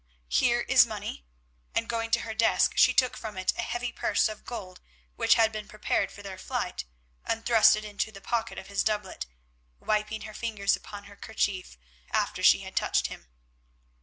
Here is money"—and, going to her desk, she took from it a heavy purse of gold which had been prepared for their flight, and thrust it into the pocket of his doublet, wiping her fingers upon her kerchief after she had touched him.